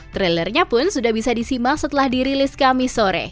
trailernya pun sudah bisa disimak setelah dirilis kami sore